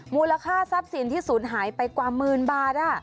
มูลค่าทรัพย์สินที่ศูนย์หายไปกว่าหมื่นบาท